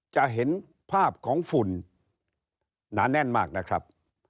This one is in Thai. จะเห็นภาพของฝุ่นหนาแน่นมากนะครับ